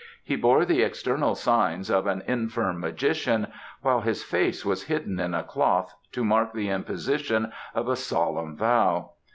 He bore the external signs of an infirm magician, while his face was hidden in a cloth to mark the imposition of a solemn vow.